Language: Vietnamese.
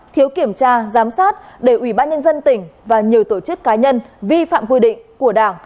thiếu kiểm tra giám sát để ubnd tỉnh và nhiều tổ chức cá nhân vi phạm quy định của đảng